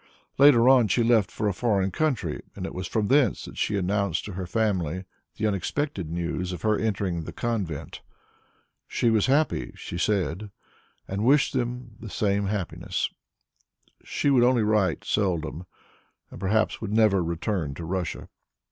Later on, she left for a foreign country, and it was from thence that she announced to her family the unexpected news of her entering the convent; she was happy, she said, and wished them the same happiness; she would only write seldom, and perhaps would never return to Russia.